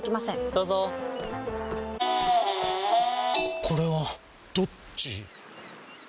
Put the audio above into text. どうぞこれはどっち？